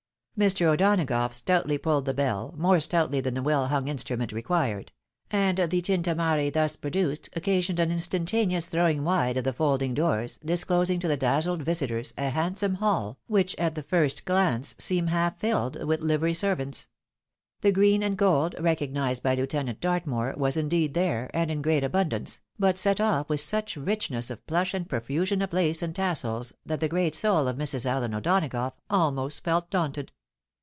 Mr. O'Donagough stoutly pulled the bell, more stoutly than the weU hung instriunent required; and the tintamarre thus produced occasioned an instantaneous throwing wide of the folding doors, disclosing to the dazzled visitors a handsome hall, which at the first glance seemed half filled with hvery servants. The green and gold, recognised by Lieutenant Dartmoor, was indeed there, and in great abundance, but set oif with such richness of plush and profusion of lace and tassels, that the great soul of Mrs. AUen O'Donagough almost felt daunted.